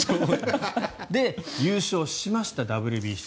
で、優勝しましたＷＢＣ。